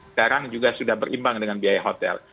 sekarang juga sudah berimbang dengan biaya hotel